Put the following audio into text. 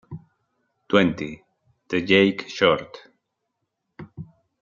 Tuenti: The Jake Short.